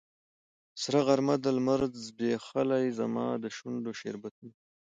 سره غرمه ده لمر ځبیښلې زما د شونډو شربتونه